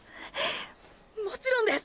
もちろんです！！